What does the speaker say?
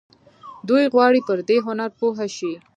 دوی غواړي پر دې هنر پوه شي.